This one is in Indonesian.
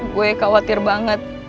gue khawatir banget